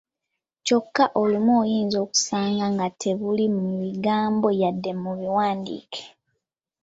Kyokka olumu oyinza okusanga nga tebuli mu bigambo yadde mu buwandiike!